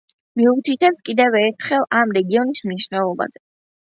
მიუთითებს კიდევ ერთხელ ამ რეგიონის მნიშვნელობაზე.